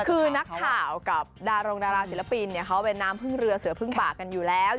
คือนักข่าวกับดารงดาราศิลปินเขาเป็นน้ำพึ่งเรือเสือพึ่งป่ากันอยู่แล้ว